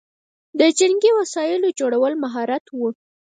د جنګي وسایلو جوړول مهارت و